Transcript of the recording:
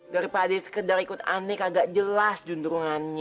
daripada sekedar ikut ane kagak jelas jendrungannya